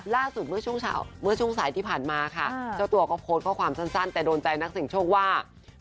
ล่าสุดเมื่อช่วงสายที่ผ่านมาค่ะเจ้าตัวก็โพสต์ข้อความสั้นแต่โดนใจนักเสียงโชคว่า